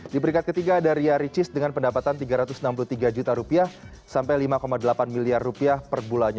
di peringkat ketiga ada ria ricis dengan pendapatan rp tiga ratus enam puluh tiga juta rupiah sampai lima delapan miliar rupiah per bulannya